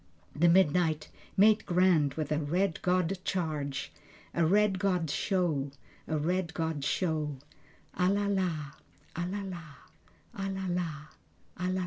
The midnight made grand with a red god charge, A red god show, A red god show, "A la la, a la la, a la la, a la la."